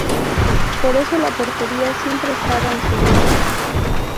Por eso la portería siempre estaba en su mente.